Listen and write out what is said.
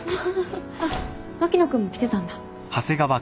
あっ牧野君も来てたんだ。